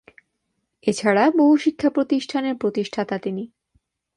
এছাড়া বহু শিক্ষাপ্রতিষ্ঠানের প্রতিষ্ঠাতা তিনি।